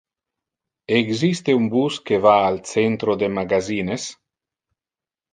Existe un bus que va al centro de magazines?